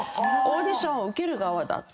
オーディションを受ける側だ。